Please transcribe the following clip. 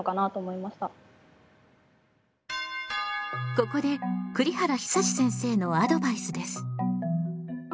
ここで栗原久先生のアドバイスです。